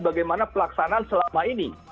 bagaimana pelaksanaan selama ini